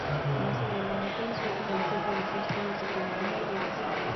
Más adelante, en su juventud realizó estudios de Economía y Bellas Artes.